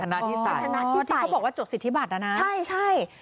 ภาชนาที่ใส่ที่เขาบอกว่าจบสิทธิบัติแล้วนะใช่